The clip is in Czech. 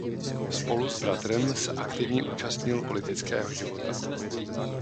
Spolu s bratrem s aktivně účastnil politického života.